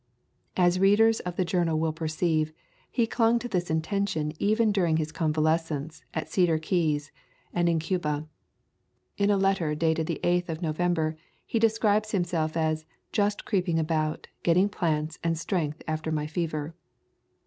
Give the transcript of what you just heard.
As readers of the jour nal will perceive, he clung to this intention even during his convalescence at Cedar Keys and in Cuba. In a letter dated the 8th of Novem ber he describes himself as "just creeping about getting plants and strength after my fever."